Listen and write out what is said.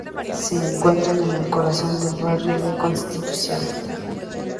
Se encuentra en el corazón del barrio de Constitución.